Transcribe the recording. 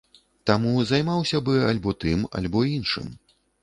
Таму займаўся бы альбо тым, альбо іншым.